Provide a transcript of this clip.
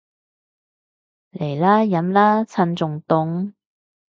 嚟啦，飲啦，趁仲凍